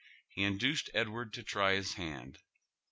He induced Edward to try his hand.